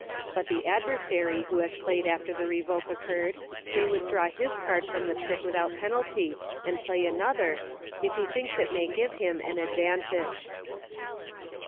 but the adversary who has played after the revoke occurred may withdraw his card from the trick without penalty, and play another, if he thinks it may give him an advantage.